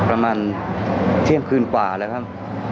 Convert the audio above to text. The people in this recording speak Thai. ประมาณเที่ยงคืนกว่าแล้วครับ